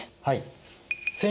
はい。